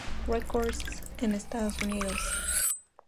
Records en Estados Unidos.